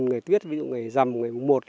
ngày buổi một